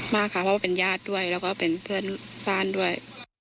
มากค่ะเพราะว่าเป็นญาติด้วยแล้วก็เป็นเพื่อนบ้านด้วย